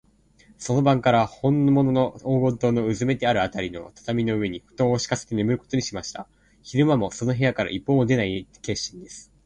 その晩から、ほんものの黄金塔のうずめてあるあたりの畳の上に、ふとんをしかせてねむることにしました。昼間も、その部屋から一歩も外へ出ない決心です。